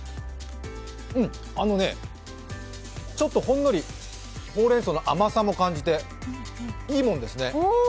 ちょっとほんのりほうれんそうの甘さも感じていいもんですね。